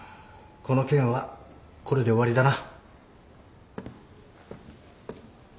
この件はこれで終わりだな。